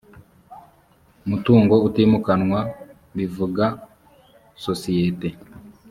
mutungo utimukanwa bivuga sosiyete